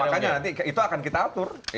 makanya nanti itu akan kita atur